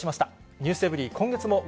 ｎｅｗｓｅｖｅｒｙ．今月もご